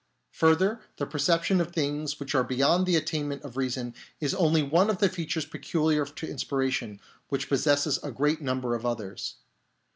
Further, the perception of things which are be yond the attainment of reason is only one of the features peculiar to inspiration, which possesses a great number of others.